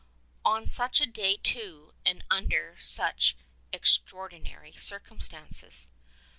On such a day too, and under such ex traordinary circumstances